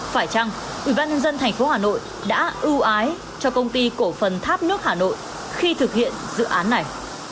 phải chăng ủy ban nhân dân thành phố hà nội đã ưu ái cho công ty cổ phần tháp nước hà nội khi thực hiện dự án này